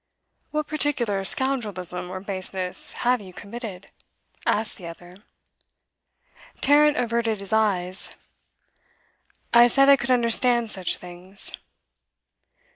'What particular scoundrelism or baseness have you committed?' asked the other. Tarrant averted his eyes. 'I said I could understand such things.